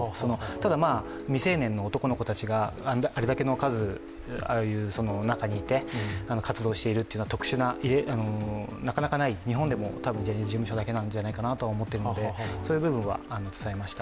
ただ未成年の男の子たちがあれだけの数、ああいう中にいて活動しているというのはなかなかない、日本でもたぶんジャニーズ事務所だけなんじゃないかと思いますので、そういう部分は、伝えました。